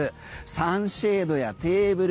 サンシェードやテーブル